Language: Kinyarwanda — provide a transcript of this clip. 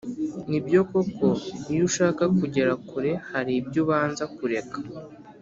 ni byo koko iyo ushaka kugera kure haribyo ubanza kureka